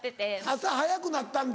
朝早くなったんだ。